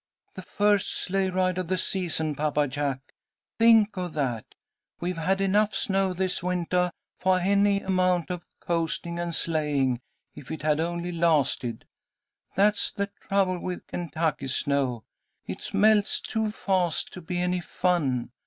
"The first sleigh ride of the season, Papa Jack. Think of that! We've had enough snow this wintah for any amount of coasting and sleighing if it had only lasted. That's the trouble with Kentucky snow; it melts too fast to be any fun.